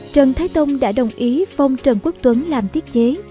trần thái tông đã đồng ý phong trần quốc tuấn làm tiết chế